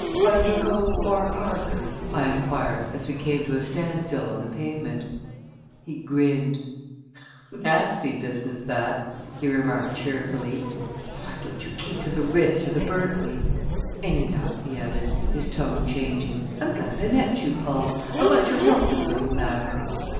"Bundercombe or Parker?" I inquired as we came to a standstill on the pavement. He grinned. "Nasty business, that!" he remarked cheerfully. "Why don't you keep to the Ritz or the Berkeley? Anyway," he added, his tone changing, "I'm glad I met you, Paul. I want your help in a little matter."